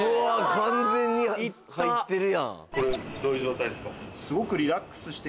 完全に入ってるやん。